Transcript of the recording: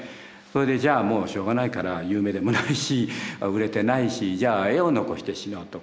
それでじゃあもうしょうがないから有名でもないし売れてないしじゃあ絵を残して死のうと。